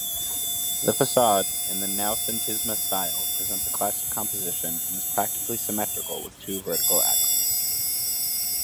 The facade, in the Noucentisme style, presents a classic composition and is practically symmetrical with two vertical axis.